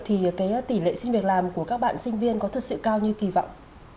thật sự cao như kỳ vọng